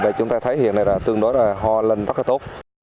vậy chúng ta thấy hiện nay là tương đối là hoa lên rất là tốt